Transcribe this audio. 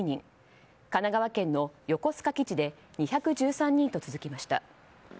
神奈川県の横須賀基地で２１３人と続きました。